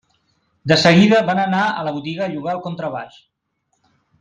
De seguida van anar a la botiga a llogar el contrabaix.